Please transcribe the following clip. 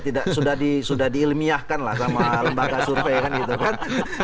iya sudah di ilmiahkan lah sama lembaga survei kan gitu kan